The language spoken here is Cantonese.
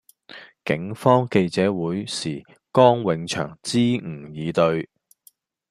警方記者會時江永祥支吾以對